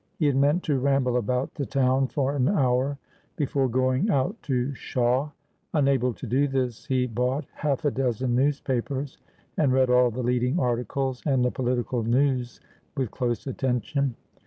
He had meant to ramble about the town for an hour before going out to Shawe. Unable to do this, he bought half a dozen newspapers, and read all the leading articles and the political news with close attention.